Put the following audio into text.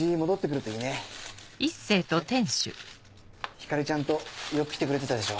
光莉ちゃんとよく来てくれてたでしょ。